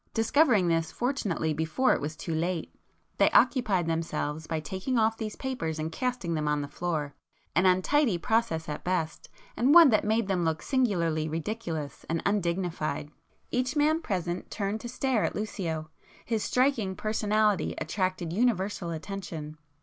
Discovering this fortunately before it was too late, they occupied themselves by taking off these papers and casting them on the floor,—an untidy process at best, and one that made them look singularly ridiculous and undignified. Each man present turned to stare at Lucio; his striking personality attracted universal attention.